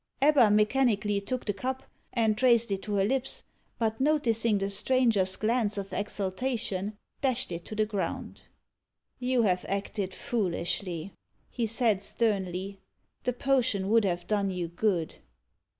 Ebba mechanically took the cup, and raised it to her lips, but noticing the stranger's glance of exultation, dashed it to the ground. "You have acted foolishly," he said sternly; "the potion would have done you good."